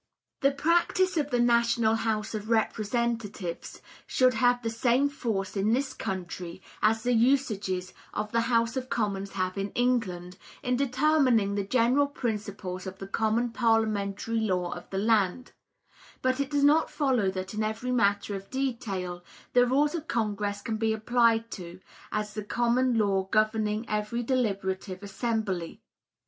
The practice of the National House of Representatives should have the same force in this country as the usages of the House of Commons have in England, in determining the general principles of the common parliamentary law of the land; but it does not follow that in every matter of detail the rules of Congress can be appealed to as the common law governing every deliberative assembly.